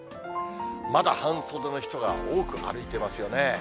まだ半袖の人が多く歩いてますよね。